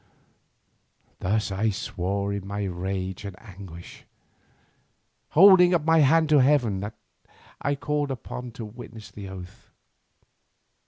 Thus I swore in my rage and anguish, holding up my hand to heaven that I called upon to witness the oath.